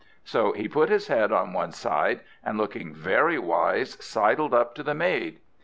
So he put his head on one side and, looking very wise, sidled up to the maid.